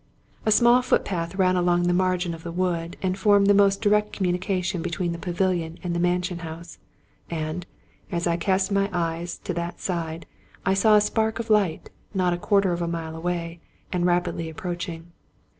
A small footpath ran along the margin of the wood, and formed the most direct communication between the pavilion and the mansion house ; and, as I cast my eyes to that side, I saw a spark of light, not a quarter of a mile away, and rapidly approaching.